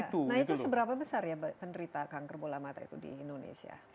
nah itu seberapa besar ya penderita kanker bola mata itu di indonesia